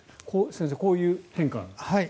先生、こういう変化が。